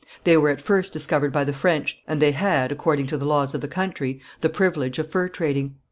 They were at first discovered by the French, and they had, according to the laws of the country, the privilege of fur trading.